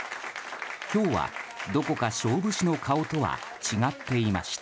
今日は、どこか勝負師の顔とは違っていました。